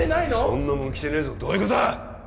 そんなもんきてねえぞどういうことだ